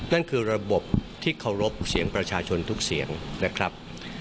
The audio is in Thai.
นั่นคือระบบที่เคารพเสียงประชาชนทุกเสียงนะครับ